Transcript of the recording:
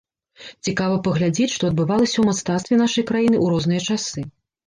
Цікава паглядзець, што адбывалася ў мастацтве нашай краіны ў розныя часы.